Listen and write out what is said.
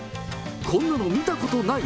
こんなの見たことない。